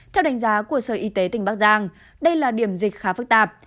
theo đánh giá của sở y tế tỉnh bắc giang đây là điểm dịch khá phức tạp